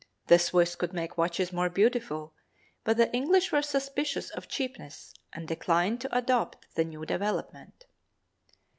The Swiss could make watches more beautifully, but the English were suspicious of cheapness and declined to adopt the new development.